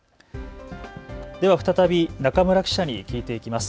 では、再び中村記者に聞いていきます。